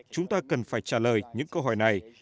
chúng ta cần phải trả lời những câu hỏi này